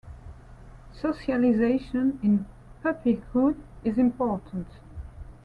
Socialization in puppyhood is important.